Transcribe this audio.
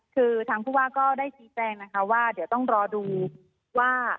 คือทางผู้ว่าก็ได้ชี้แจงนะคะว่าเดี๋ยวต้องรอดูว่า